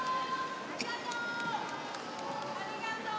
・ありがとう！